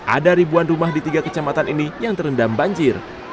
ada ribuan rumah di tiga kecamatan ini yang terendam banjir